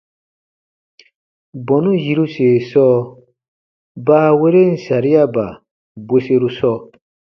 Bɔnu yiruse sɔɔ baaweren sariaba bweseru sɔɔ.